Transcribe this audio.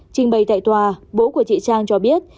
trình bày tại tòa bố của chị trang cho biết